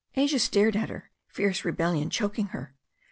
Asia stared at her, fierce rebellion choking her.